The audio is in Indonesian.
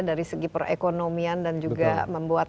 dari segi perekonomian dan juga membuat